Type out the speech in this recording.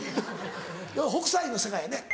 北斎の世界やね。